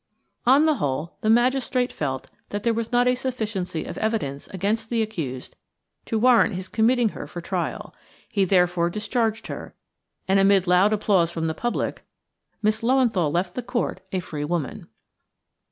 On the whole, the magistrate felt that there was not a sufficiency of evidence against the accused to warrant his committing her for trial; he therefore discharged her, and, amid loud applause from the public, Miss Löwenthal left the court a free woman.